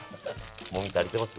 もみ足りてます？